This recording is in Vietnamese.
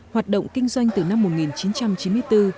hoạt động kinh doanh từ năm một nghìn chín trăm chín mươi bốn